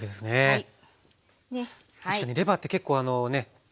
はい。